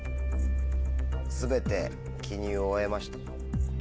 全て記入を終えました。